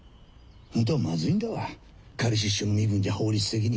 ホントはまずいんだわ仮出所の身分じゃ法律的に。